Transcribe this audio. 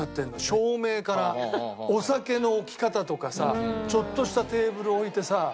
照明からお酒の置き方とかさちょっとしたテーブル置いてさ。